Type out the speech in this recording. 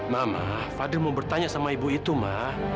ma ma fadil mau bertanya sama ibu itu ma